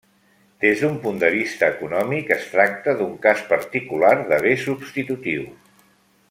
Des d'un punt de vista econòmic es tracta d'un cas particular de bé substitutiu.